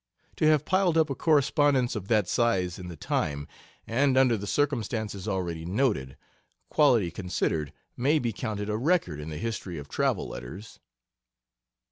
To have piled up a correspondence of that size in the time, and under the circumstances already noted, quality considered, may be counted a record in the history of travel letters.